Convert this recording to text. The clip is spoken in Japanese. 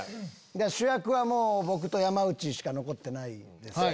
主役は僕と山内しか残ってないです。